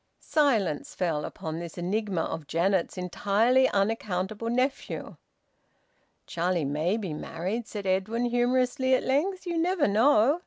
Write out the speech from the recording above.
Silence fell upon this enigma of Janet's entirely unaccountable nephew. "Charlie may be married," said Edwin humorously, at length. "You never know!